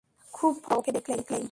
খুব ভয় লাগত ওকে দেখলেই।